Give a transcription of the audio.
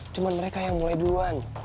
cuma mereka yang mulai duluan